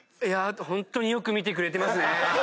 ホントによく見てくれてますね。